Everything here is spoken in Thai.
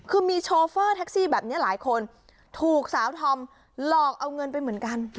คือมีโชเฟอร์แท็กซี่แบบนี้หลายคนถูกสาวธอมหลอกเอาเงินไปเหมือนกัน